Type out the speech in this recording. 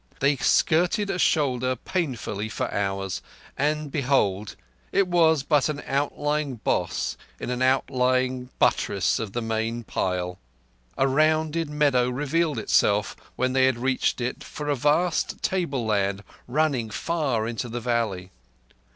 They skirted a shoulder painfully for hours, and, behold, it was but an outlying boss in an outlying buttress of the main pile! A rounded meadow revealed itself, when they had reached it, for a vast tableland running far into the valley.